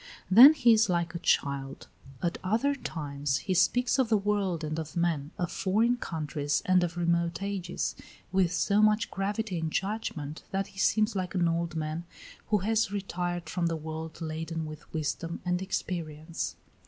Then he is like a child. At other times he speaks of the world and of men, of foreign countries and of remote ages, with so much gravity and judgment that he seems like an old man who has retired from the world laden with wisdom and experience.